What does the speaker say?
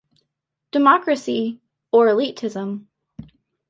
Democracy or elitism?